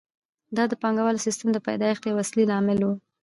دا د پانګوالي سیسټم د پیدایښت یو اصلي لامل وو